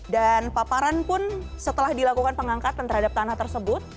dan paparan pun setelah dilakukan pengangkatan terhadap tanah tersebut